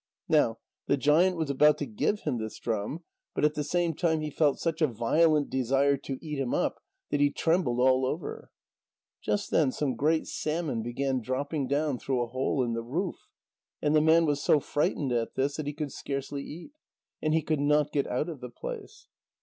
Now the giant was about to give him this drum, but at the same time he felt such a violent desire to eat him up, that he trembled all over. Just then some great salmon began dropping down through a hole in the roof, and the man was so frightened at this that he could scarcely eat. And he could not get out of the place.